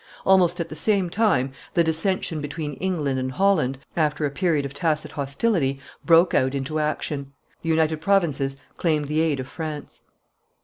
Almost at the same time the dissension between England and Holland, after a period of tacit hostility, broke out into action. The United Provinces claimed the aid of France.